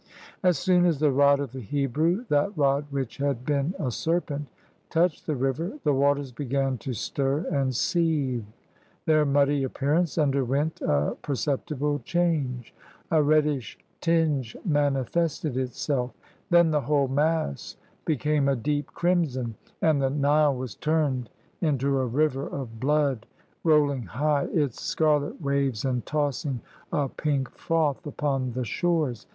As soon as the rod of the Hebrew, that rod which had been a serpent, touched the river, the waters began to stir and seethe, their muddy appearance underwent a perceptible change: a reddish tinge manifested itself, then the whole mass became a deep crimson, and the Nile was turned into a river of blood, rolling high its scarlet waves and tossing a pink froth upon the shores.